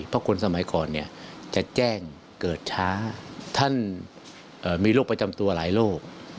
เพราะคนสมัยก่อนเนี่ยจะแจ้งเกิดช้าท่านมีโรคประจำตัวหลายโรค